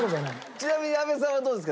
ちなみに阿部さんはどうですか？